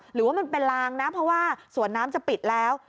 หรือว่ามันเป็นลางนะเพราะว่าสวนน้ำจะปิดแล้ว